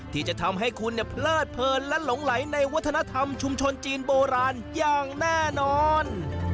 ที่จะทำให้คุณเนี่ยเพลิดเพลินและหลงไหลในวัฒนธรรมชุมชนจีนโบราณอย่างแน่นอน